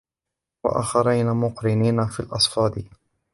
وَآخَرِينَ مُقَرَّنِينَ فِي الْأَصْفَادِ